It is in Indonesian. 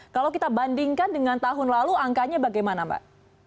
kalau kita bandingkan dengan tahun lalu angkanya bagaimana mbak